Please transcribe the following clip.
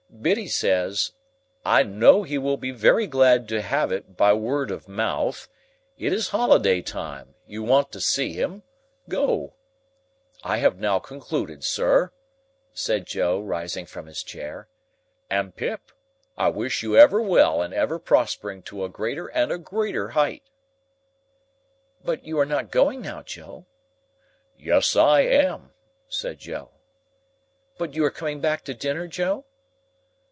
Biddy says, 'I know he will be very glad to have it by word of mouth, it is holiday time, you want to see him, go!' I have now concluded, sir," said Joe, rising from his chair, "and, Pip, I wish you ever well and ever prospering to a greater and a greater height." "But you are not going now, Joe?" "Yes I am," said Joe. "But you are coming back to dinner, Joe?"